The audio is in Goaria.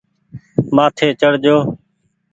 مآٿي چڙ جو۔